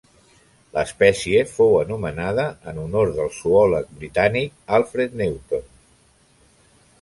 L'espècie fou anomenada en honor del zoòleg britànic Alfred Newton.